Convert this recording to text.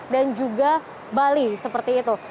dan juga bali seperti itu